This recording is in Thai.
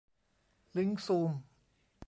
ลิงก์ซูม